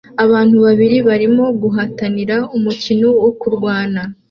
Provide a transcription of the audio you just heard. Abantu babiri barimo guhatanira umukino wo kurwana